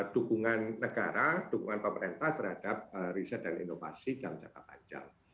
dukungan negara dukungan pemerintah terhadap riset dan inovasi dalam jangka panjang